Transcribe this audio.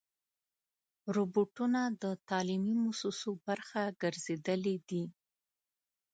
روبوټونه د تعلیمي مؤسسو برخه ګرځېدلي دي.